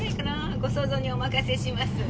ご想像にお任せします。